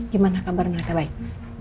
gimana kabarnya ada baik